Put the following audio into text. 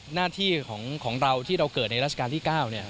หน้าที่ของเราที่เราเกิดในราชการที่๙เนี่ย